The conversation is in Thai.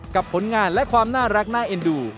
ผลงานและความน่ารักน่าเอ็นดู